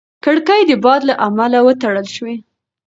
کړکۍ د باد له امله وتړل شوه.